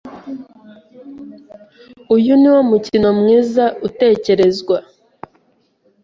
Uyu niwo mukino mwiza utekerezwa.